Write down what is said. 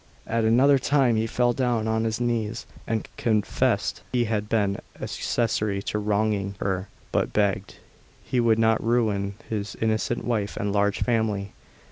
At another time he fell down on his knees, and confessed he had been accessory to wronging her, but begged she would not ruin his innocent wife and large family.